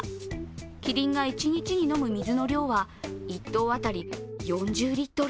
キリンが一日に飲む水の量は１頭当たり４０リットル